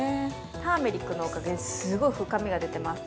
ターメリックのおかげで、すごい深みが出ています。